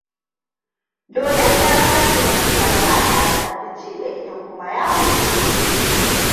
Dodon ya sace min sarƙata da na fi ji da ita kuma ya gudu.